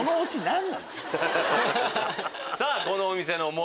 さぁこのお店の。